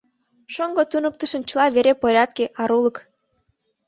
Шоҥго туныктышын чыла вере порядке, арулык.